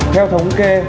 theo thống kê